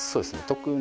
特に。